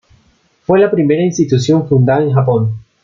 Fue la primera institución fundada en Japón.